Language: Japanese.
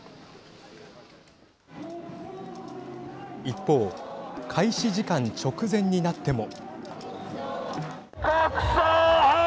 一方、開始時間直前になっても。